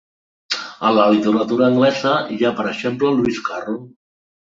En la literatura anglesa, hi ha, per exemple, Lewis Carroll.